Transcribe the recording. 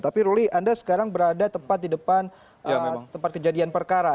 tapi ruli anda sekarang berada tepat di depan tempat kejadian perkara